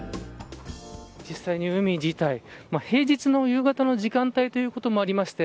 実際に海自体、平日の夕方の時間帯ということもありまして